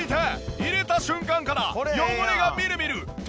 入れた瞬間から汚れがみるみる溶けていく！